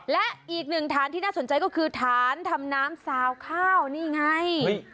และอีกหนึ่งฐานที่น่าสนใจก็คือฐานทำน้ำซาวข้าวนี่ไง